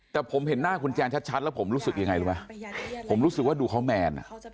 แต่ผมเห็นหน้าคุณแจนชัดแล้วผมรู้สึกยังไงรู้ไหมผมรู้สึกว่าดูเขาแมน